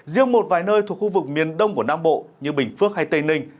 riêng một vài nơi thuộc khu vực miền đông của nam bộ như bình phước hay tây ninh